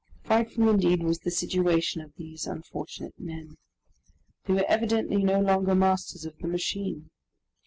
Frightful indeed was the situation of these unfortunate men. They were evidently no longer masters of the machine.